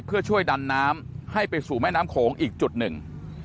เพื่อช่วยดันน้ำให้ไปสู่แม่น้ำโขงอีกจุดหนึ่ง